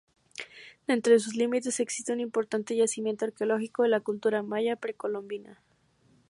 Dentro de sus límites existe un importante yacimiento arqueológico de la cultura maya, precolombina.